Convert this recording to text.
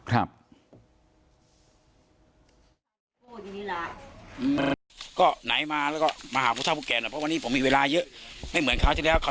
ลุงพลเท่าแก่ของคนในหมู่บ้านครับ